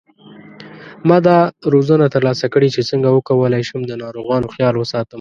ما دا روزنه تر لاسه کړې چې څنګه وکولای شم د ناروغانو خیال وساتم